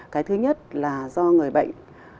cái thứ nhất là do người bệnh